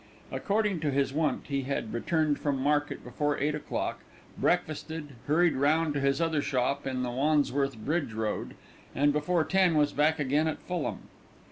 According to his wont he had returned from market before eight o'clock, breakfasted, hurried round to his other shop in the Wandsworth Bridge Road, and before ten was back again at Fulham.